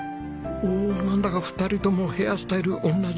おおなんだか２人ともヘアスタイル同じ！